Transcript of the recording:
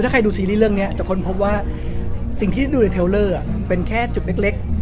ถ้าใครดูซีรีส์เรื่องนี้จะค้นพบว่าสิ่งที่ดูในเทลเลอร์เป็นแค่จุดเล็ก